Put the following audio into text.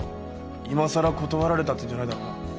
今更断られたって言うんじゃないだろうな？